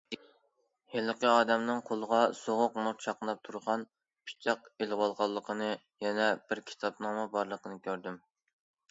ھېلىقى ئادەمنىڭ قولىغا سوغۇق نۇر چاقناپ تۇرغان پىچاق ئېلىۋالغانلىقىنى، يەنە بىر كىتابنىڭمۇ بارلىقىنى كۆردۈم.